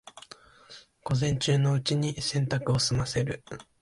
午前中のうちに洗濯を済ませる